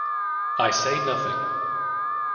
I say nothing.